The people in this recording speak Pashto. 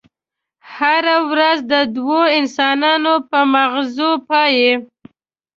هره ورځ د دوو انسانانو په ماغزو پايي.